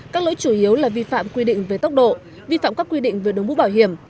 các lỗi chủ yếu là vi phạm quy định về tốc độ vi phạm các quy định về đồng bút bảo hiểm